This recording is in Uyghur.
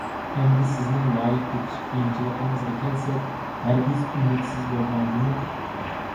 ئەمدى سىزنىڭ لايىق تېپىش قىيىنچىلىقىڭىزغا كەلسەك، ھەرگىز ئۈمىدسىز بولماڭ جۇمۇ!